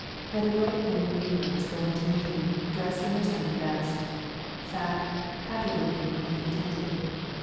Met a great many negroes going to meeting, dressed in their Sunday best. Fat, happy look ing, and contented.